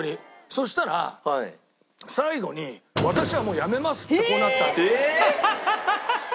そしたら最後に「私はもう辞めます」ってこうなったわけ。ハハハハ！